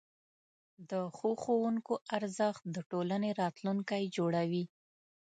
د ښو ښوونکو ارزښت د ټولنې راتلونکی جوړوي.